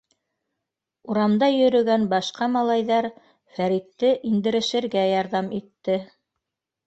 Урамда йөрөгән башҡа малайҙар Фәритте индерешергә ярҙам итте.